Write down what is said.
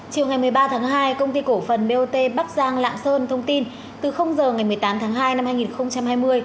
chiều ngày một mươi ba tháng hai công ty cổ phần bot bắc giang lạng sơn thông tin từ h ngày một mươi tám tháng hai năm hai nghìn hai mươi